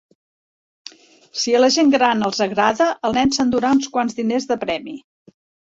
Si a la gent gran els agrada, el nen s'endurà uns quants diners de premi.